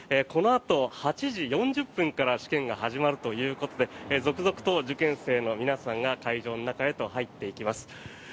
このあと８時４０分から試験が始まるということで続々と受験生の皆さんが会場の中へと入っていきます。